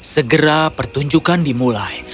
segera pertunjukan dimulai